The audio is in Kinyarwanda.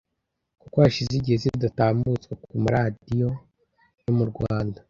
kuko hashize igihe zidatambutswa ku maradiyo yo mu Rwanda